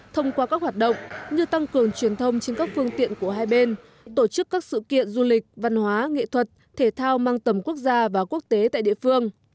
thông qua các hoạt động như tăng cường truyền thông trên các phương tiện của hai bên tổ chức các sự kiện du lịch văn hóa nghệ thuật thể thao mang tầm quốc gia và quốc tế tại địa phương